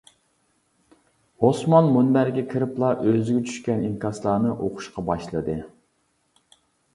ئوسمان مۇنبەرگە كىرىپلا ئۆزىگە چۈشكەن ئىنكاسلارنى ئوقۇشقا باشلىدى.